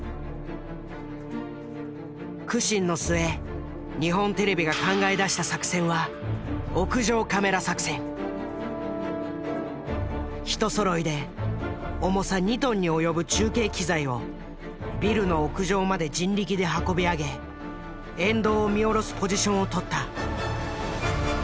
苦心の末日本テレビが考え出した作戦は一そろいで重さ２トンに及ぶ中継機材をビルの屋上まで人力で運び上げ沿道を見下ろすポジションを取った。